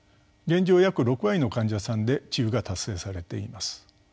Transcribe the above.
現状約６割の患者さんで治癒が達成されています。